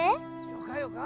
よかよか。